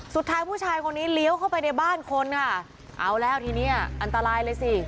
สุดท้ายผู้ชายคนนี้เลี้ยวเข้าไปในบ้านคนค่ะเอาแล้วทีเนี้ยอันตรายเลยสิ